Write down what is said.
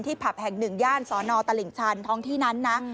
ที่ผับแห่ง๑ย่านสนตลิ่งชันท้องที่นั้นนะ